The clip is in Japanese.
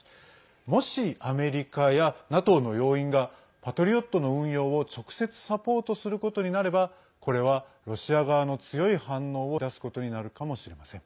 もし、アメリカやＮＡＴＯの要員が「パトリオット」の運用を直接サポートすることになればこれはロシア側の強い反応を引き出すことになるかもしれません。